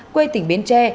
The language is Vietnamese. quê tỉnh biến tre